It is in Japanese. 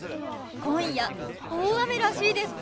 今夜大雨らしいです。